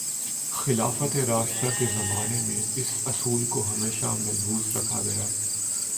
خلافتِ راشدہ کے زمانے میں اس اصول کو ہمیشہ ملحوظ رکھا گیا